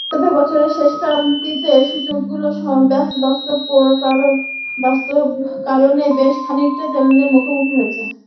তবে, বছরের সর্বশেষ প্রান্তিকে সূচকগুলো বাস্তব কারণেই বেশ খানিকটা চ্যালেঞ্জের মুখোমুখি হয়েছে।